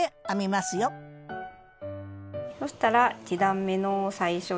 よそしたら１段めの最初です。